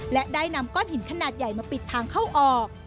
และได้นำก้อนหินขนาดใหญ่มาปิดทางเข้าออก